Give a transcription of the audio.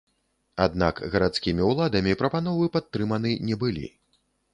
Аднак гарадскімі ўладамі прапановы падтрыманы не былі.